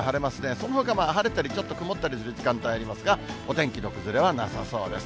そのほかは、晴れたりちょっと曇ったりする時間帯ありますが、お天気の崩れはなさそうです。